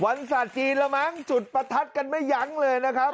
ศาสตร์จีนละมั้งจุดประทัดกันไม่ยั้งเลยนะครับ